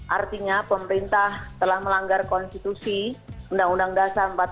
artinya pemerintah telah melanggar konstitusi undang undang dasar empat puluh lima